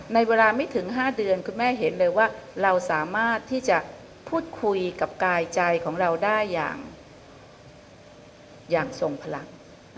ในเวลาไม่ถึง๕เดือนคุณแม่เห็นเลยว่าเราสามารถที่จะพูดคุยกับกายใจของเราได้อย่างทรงพลัง